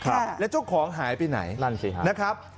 ครับแล้วเจ้าของหายไปไหนนั่นสิครับนะครับ